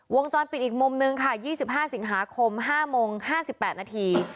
วงจรปิดอีกมุมนึงค่ะ๒๕สิงหาคม๕โมง๕๘นาที